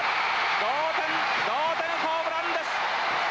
同点同点ホームランです。